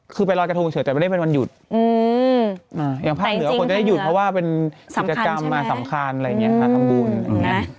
ควรจะได้หยุดเพราะว่าเป็นศิษย์กรรมสำคัญอะไรอย่างนี้ทำบูรณ์